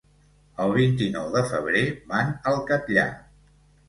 El vint-i-nou de febrer van al Catllar.